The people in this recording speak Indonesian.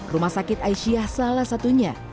rumah sakit aisyah salah satunya